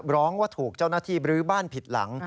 ร้องว่าถูกเจ้าหน้าที่บรื้อบ้านผิดหลัง